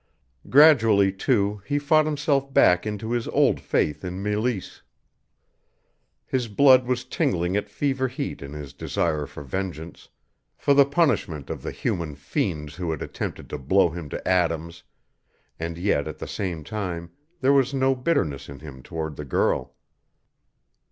Gradually, too, he fought himself back into his old faith in Meleese. His blood was tingling at fever heat in his desire for vengeance, for the punishment of the human fiends who had attempted to blow him to atoms, and yet at the same time there was no bitterness in him toward the girl.